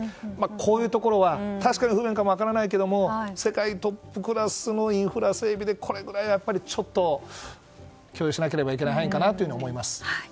こういうところは、確かに不便かも分からないけれども世界トップクラスのインフラ整備でこれぐらいは、ちょっと許容しなければいけない範囲かなと思います。